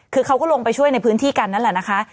คือเขาก็ลงไปช่วยในพื้นที่กันนั่นแหละนะคะ